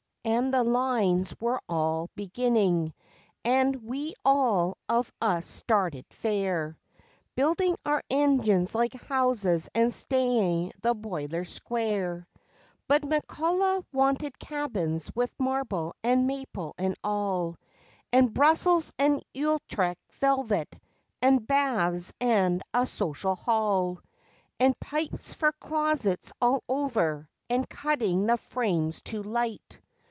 And the Lines were all beginning, and we all of us started fair, Building our engines like houses and staying the boilers square. But McCullough 'e wanted cabins with marble and maple and all, And Brussels and Utrecht velvet, and baths and a Social Hall, And pipes for closets all over, and cutting the frames too light.